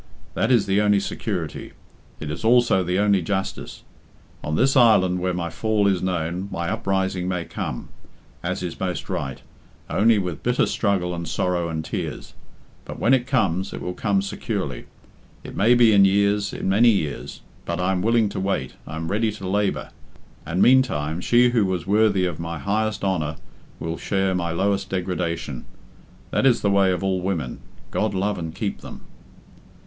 That is the only security. It is also the only justice. On this island, where my fall is known, my uprising may come as is most right only with bitter struggle and sorrow and tears. But when it comes, it will come securely. It may be in years, in many years, but I am willing to wait I am ready to labour. And, meantime, she who was worthy of my highest honour will share my lowest degradation. That is the way of all women God love and keep them!"